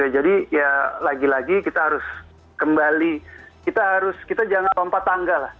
ya lagi lagi kita harus kembali kita harus kita jangan lompat tangga lah